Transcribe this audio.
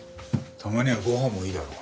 たまにはご飯もいいだろ。